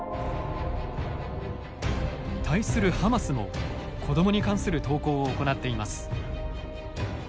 対するハマスも子どもに関する投稿を行っています。